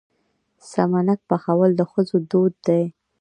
سمنک پخول د ښځو دود دی.